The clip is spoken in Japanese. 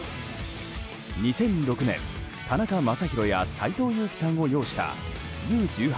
２００６年、田中将大や斎藤佑樹さんを擁したＵ‐１８